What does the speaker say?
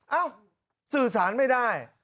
เอ้าสื่อสารไม่ได้